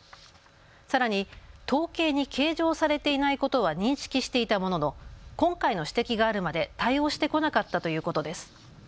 さらに統計に計上されていないことは認識していたものの今回の指摘があるまで対応してこなかったということです。